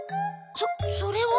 そそれは。